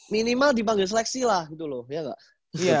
minimal dipanggil seleksi lah gitu loh iya nggak